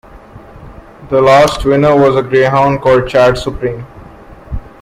The last winner was a greyhound called Chad Supreme.